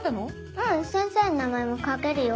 うん先生の名前も書けるよ。